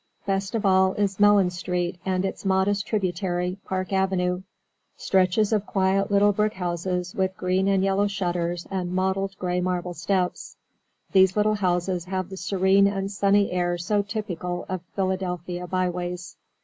Best of all is Melon Street and its modest tributary, Park Avenue stretches of quiet little brick homes with green and yellow shutters and mottled gray marble steps. These little houses have the serene and sunny air so typical of Philadelphia byways.